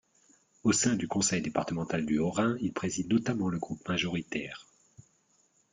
Au sein du conseil départemental du Haut-Rhin il préside notamment le groupe majoritaire.